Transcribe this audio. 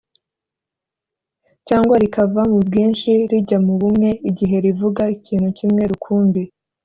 cyangwa rikava mu bwinshi rijya mu bumwe igihe rivuga ikintu kimwe rukumbi.